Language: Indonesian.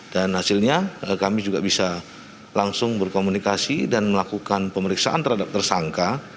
dan hasilnya kami juga bisa langsung berkomunikasi dan melakukan pemeriksaan terhadap tersangka